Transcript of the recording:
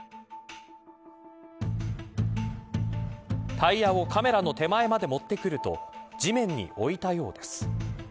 タイヤをカメラの手前まで持ってくると地面に置いたようです。